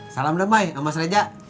salam nebai emas reja